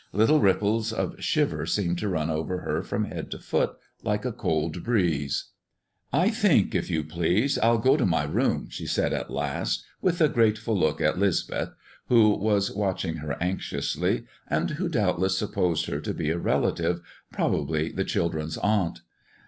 Little ripples of shiver seemed to run over her from head to foot, like a cold breeze. "I think, if you please, I'll go to my room," she said at last, with a grateful look at 'Lisbeth, who was watching her anxiously, and who doubtless supposed her to be a relative, probably the children's aunt.